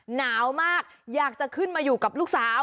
หนาวมากอยากจะขึ้นมาอยู่กับลูกสาว